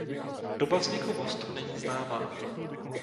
Doba vzniku mostu není známá.